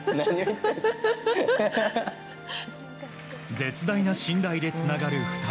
絶大な信頼でつながる２人。